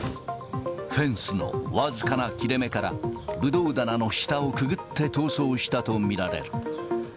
フェンスの僅かな切れ目から、ブドウ棚の下をくぐって逃走したと見られる。